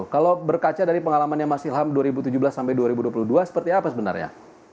kalau berkaca dari pengalamannya mas ilham dua ribu tujuh belas sampai dua ribu dua puluh dua seperti apa sebenarnya